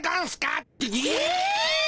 え！